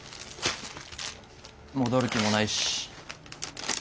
戻る気もないし。